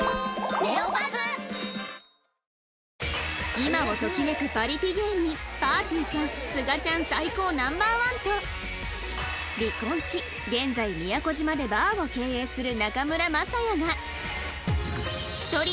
今を時めくパリピ芸人ぱーてぃーちゃんすがちゃん最高 Ｎｏ．１ と離婚し現在宮古島でバーを経営する中村昌也が